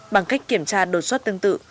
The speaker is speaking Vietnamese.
bằng cách kiểm tra đột xuất tương tự